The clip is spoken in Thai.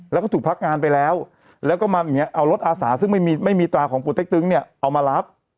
แล้วก็ถูกพักงานไปแล้วแล้วก็มาเอารถอาสาซึ่งไม่มีตราของปูเต็กตึงเนี่ยเอามารับ